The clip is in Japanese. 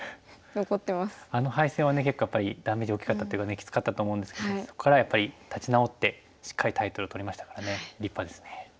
あの敗戦はね結構やっぱりダメージ大きかったというかねきつかったと思うんですけどそこからやっぱり立ち直ってしっかりタイトルを取りましたからね立派ですね。